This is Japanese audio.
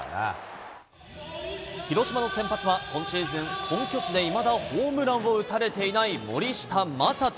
広島の先発は、今シーズン本拠地でいまだホームランを打たれていない森下暢仁。